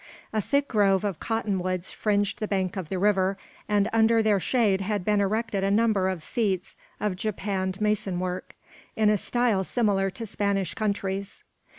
A thick grove of cotton woods fringed the bank of the river, and under their shade had been erected a number of seats of japanned mason work, in a style peculiar to Spanish countries.